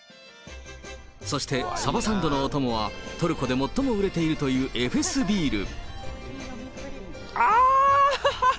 そしてサバサンドのお供は、トルコで最も売れているというエあー！